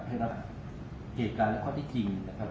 ได้รับเหตุการณ์และข้อที่จริงนะครับ